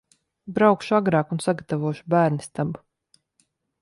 Braukšu agrāk un sagatavošu bērnistabu.